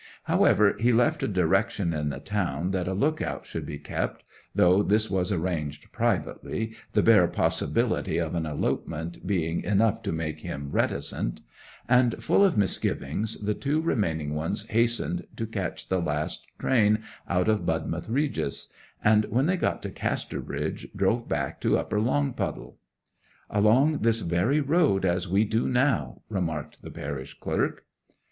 'However, he left a direction in the town that a lookout should be kept, though this was arranged privately, the bare possibility of an elopement being enough to make him reticent; and, full of misgivings, the two remaining ones hastened to catch the last train out of Budmouth Regis; and when they got to Casterbridge drove back to Upper Longpuddle.' 'Along this very road as we do now,' remarked the parish clerk.